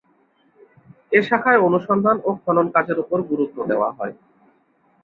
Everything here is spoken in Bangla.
এ শাখায় অনুসন্ধান ও খনন কাজের উপর গুরুত্ব দেওয়া হয়।